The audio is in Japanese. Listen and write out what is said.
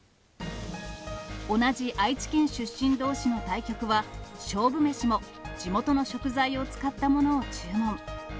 同じ愛知県出身どうしの対局は、勝負メシも地元の食材を使ったものを注文。